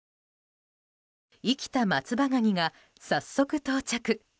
生きた松葉ガニが早速到着。